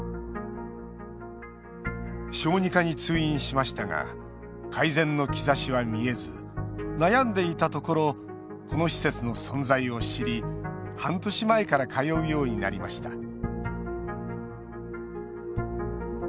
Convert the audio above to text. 小児科に通院しましたが改善の兆しは見えず悩んでいたところこの施設の存在を知り半年前から通うようになりました。